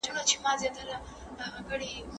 زه غاښونه برس کوم.